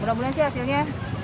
berapa bulan sih hasilnya